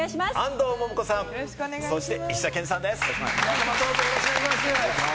皆さま、どうぞよろしくお願いします。